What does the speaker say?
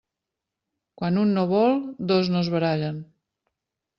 Quan un no vol, dos no es barallen.